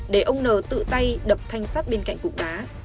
để ông n tự tay đập thanh sát bên cạnh cục đá